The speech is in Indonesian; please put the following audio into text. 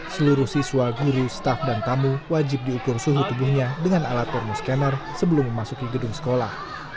seluruh siswa guru staff dan tamu wajib diukur suhu tubuhnya dengan alat porno scanner sebelum memasuki gedung sekolah